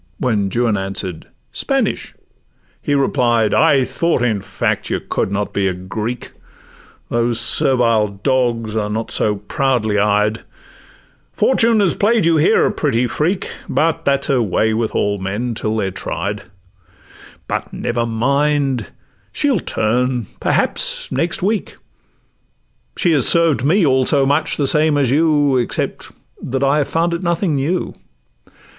When Juan answer'd—'Spanish!' he replied, 'I thought, in fact, you could not be a Greek; Those servile dogs are not so proudly eyed: Fortune has play'd you here a pretty freak, But that 's her way with all men, till they're tried; But never mind,—she'll turn, perhaps, next week; She has served me also much the same as you, Except that I have found it nothing new.